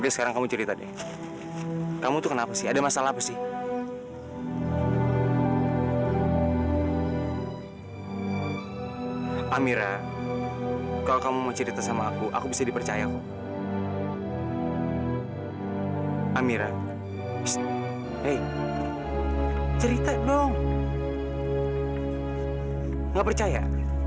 sampai jumpa di video selanjutnya